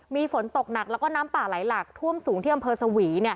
มีฝนตกหนักแล้วก็น้ำป่าไหลหลักท่วมสูงที่อำเภอสวี